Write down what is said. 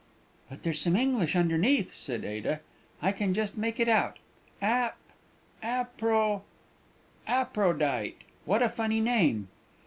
"But there's some English underneath," said Ada; "I can just make it out. Ap Apro Aprodyte. What a funny name!"